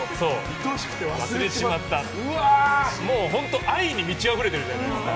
もう本当、愛に満ちあふれてるじゃないですか。